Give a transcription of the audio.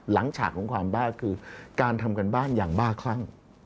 ฉากของความบ้าคือการทำการบ้านอย่างบ้าคลั่ง